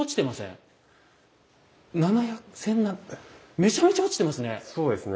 ７００めちゃめちゃ落ちてますね！